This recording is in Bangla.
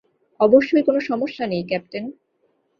অবশ্যই, কোন সমস্যা নেই, ক্যাপ্টেন।